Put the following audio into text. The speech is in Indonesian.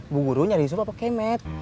bu guru nyari yusuf apa kemet